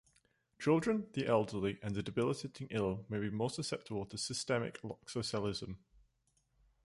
Children, the elderly, and the debilitatingly ill may be more susceptible to systemic loxoscelism.